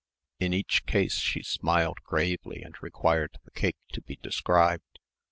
In each case she smiled gravely and required the cake to be described.